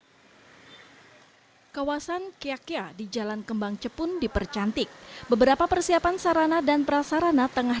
kawasan kiyakya di jalan kembang cepun dipercantik beberapa persiapan sarana dan prasarana tengah